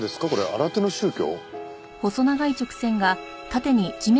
新手の宗教？